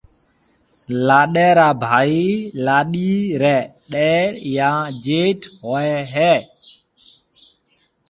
لاڏيَ را ڀائي لاڏيِ ريَ ڏَير يان جيٺ هوئي هيَ۔